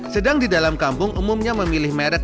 sedang di dalam kampung umumnya memilih merek